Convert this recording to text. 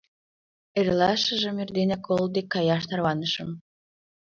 Эрлашыжым эрденак кол дек каяш тарванышым.